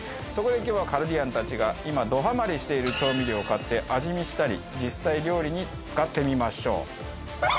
そこで今日はカルディアンたちが今どハマりしている調味料を買って味見したり実際料理に使ってみましょう。